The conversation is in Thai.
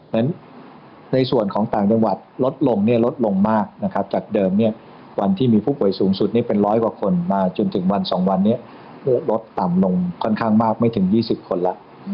นั้นในส่วนของต่างจังหวัดลดลงลดลงมากนะครับจากเดิมวันที่มีผู้ป่วยสูงสุดเป็นร้อยกว่าคนมาจนถึงวัน๒วันนี้ลดต่ำลงค่อนข้างมากไม่ถึง๒๐คนแล้ว